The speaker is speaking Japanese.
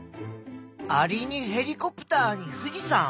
アリにヘリコプターに富士山。